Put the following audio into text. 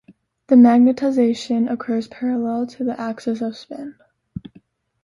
The magnetization occurs parallel to the axis of spin.